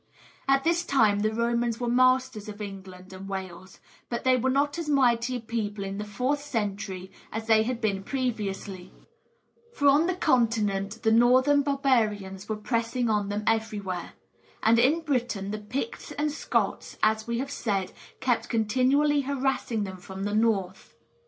At this time the Romans were masters of England and Wales, but they were not as mighty a people in the fourth century as they had been previously; for on the Continent the northern barbarians were pressing on them everywhere; and in Britain the Picts and Scots, as we have said, kept continually harassing them from the north.